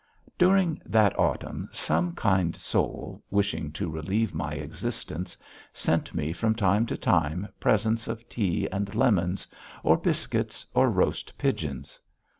During that autumn some kind soul, wishing to relieve my existence, sent me from time to time presents of tea and lemons, or biscuits, or roast pigeons.